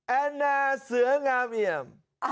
แอนนาเสืองามเอี่ยม